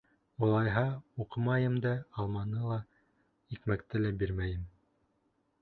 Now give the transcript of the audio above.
— Улайһа, уҡымайым да, алманы ла, икмәкте лә бирмәйем.